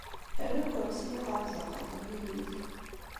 Err akersi-a ɣer tzeɣɣa n temlilit.